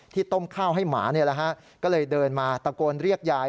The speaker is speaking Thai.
ที่ต้มข้าวให้หมาเนี่ยแหละฮะก็เลยเดินมาตะโกนเรียกยาย